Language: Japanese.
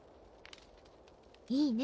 いいね